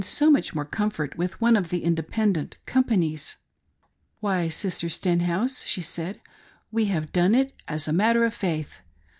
SO much more comfort with one of the independent com panies. " Why, Sister Stenhouse," she said, " We have done it as a matter of faith.